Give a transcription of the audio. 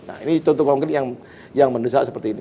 nah ini contoh konkret yang mendesak seperti ini